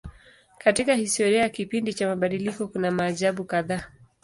Katika historia ya kipindi cha mabadiliko kuna maajabu kadhaa.